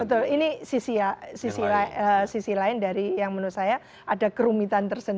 betul ini sisi lain dari yang menurut saya ada kerumitan tersendi